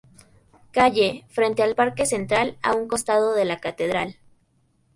Calle, frente al Parque Central, a un costado de la Catedral.